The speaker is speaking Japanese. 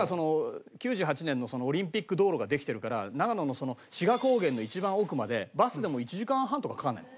今１９９８年のオリンピック道路ができてるから長野のその志賀高原の一番奥までバスでも１時間半とかかからない。